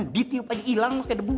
ditiup aja ilang pake debu